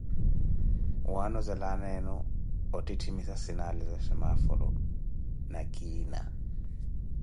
N ́wanozele aana enu ottitthimisa sinali za simaforo na kiina.